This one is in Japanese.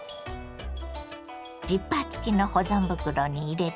ジッパー付きの保存袋に入れてね。